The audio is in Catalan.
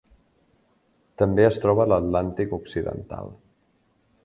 També es troba a l'Atlàntic Occidental.